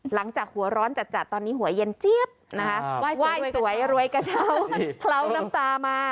หลังจากหัวร้อนจัดตอนนี้หัวเย็นเจี๊ยบนะคะไหว้สวยรวยกระเช้าเคล้าน้ำตามา